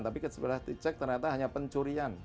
tapi setelah dicek ternyata hanya pencurian